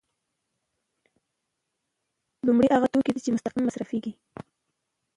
لومړی هغه توکي دي چې مستقیم مصرفیږي.